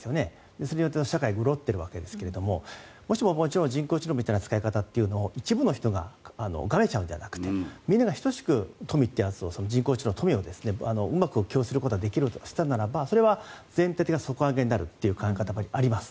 それによって社会が潤っているわけですがもちろん人工知能みたいな使い方というのを一部の人ががめちゃうんじゃなくてみんなが等しく人工知能の富をうまく利用することができたらそれは前提の底上げとなるという考え方もあります。